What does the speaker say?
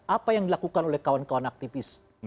apa yang dilakukan oleh kawan kawan aktivis